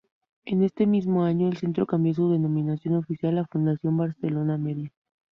En este mismo año, el centro cambió su denominación oficial a Fundación Barcelona Media.